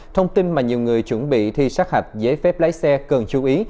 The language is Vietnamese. thông tin mà nhiều người chuẩn bị thi sát hạch giấy phép lái xe cần chú ý